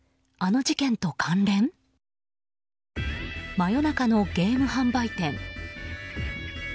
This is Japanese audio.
真夜中のゲーム販売店。